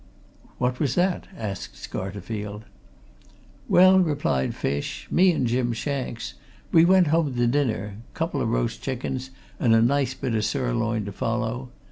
"What was that?" asked Scarterfield. "Well," replied Fish, "me and Jim Shanks, we went home to dinner couple o' roast chickens, and a nice bit o' sirloin to follow.